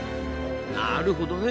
なるほどね。